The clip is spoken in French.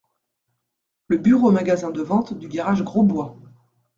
Le bureau-magasin de vente du garage Grosbois.